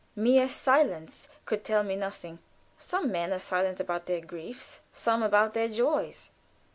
Mere silence could tell me nothing. Some men are silent about their griefs; some about their joys.